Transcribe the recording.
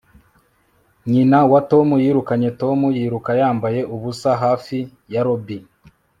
nyina wa tom yirukanye tom yiruka yambaye ubusa hafi ya lobby